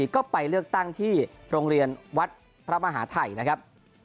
ก็ไปเลือกตั้งที่โรงเรียนวัดพระมหาทัยนะครับ